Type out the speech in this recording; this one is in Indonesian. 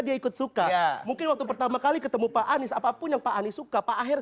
dia ikut suka mungkin waktu pertama kali ketemu pak anies apapun yang pak anies suka pak aher